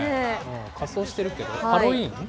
仮装してるけど、ハロウィーン？